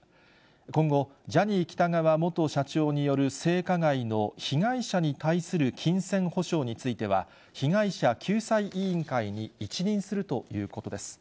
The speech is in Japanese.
今後、ジャニー喜多川元社長による性加害の、被害者に対する金銭補償については、被害者救済委員会に一任するということです。